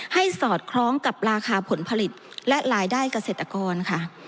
สอดคล้องกับราคาผลผลิตและรายได้เกษตรกรค่ะ